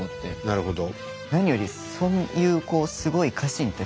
なるほど。